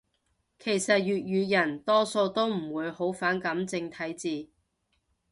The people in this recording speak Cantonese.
其實粵語人多數都唔會好反感正體字